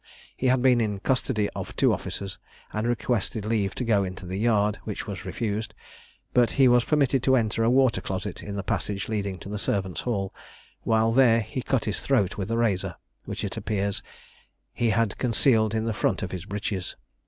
He had been in custody of two officers, and requested leave to go into the yard, which was refused; but he was permitted to enter a water closet in the passage leading to the servants' hall; while there he cut his throat with a razor, which, it appeared, he had concealed in the front of his breeches.